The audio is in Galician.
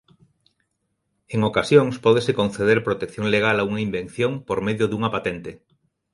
En ocasións pódese conceder protección legal a unha invención por medio dunha patente.